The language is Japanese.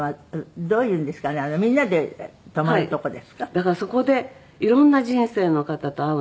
だからそこで色んな人生の方と会うんですよね。